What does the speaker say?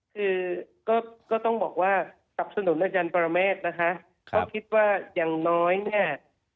คือก็ต้องบอกว่าสับสนุนอาจารย์ปรเมฆนะคะเพราะคิดว่าอย่างน้อยเนี่ย